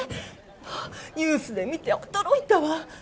もうニュースで見て驚いたわ！